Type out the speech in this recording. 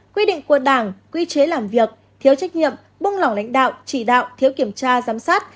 quy định của đảng quy chế làm việc thiếu trách nhiệm buông lỏng lãnh đạo chỉ đạo thiếu kiểm tra giám sát